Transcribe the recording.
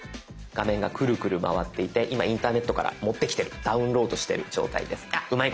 画面がクルクル回っていて今インターネットから持ってきてるダウンロードしてる状態です。